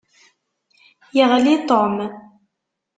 Yeɣli Tom.